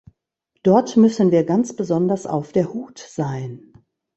Dort müssen wir ganz besonders auf der Hut sein.